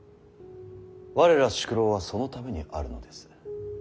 我ら宿老はそのためにあるのです。